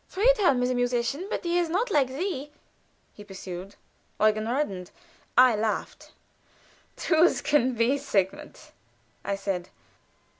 "Friedhelm is a musician, but he is not like thee," he pursued. Eugen reddened; I laughed. "True as can be, Sigmund," I said.